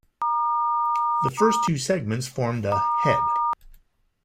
The first two segments formed a "head".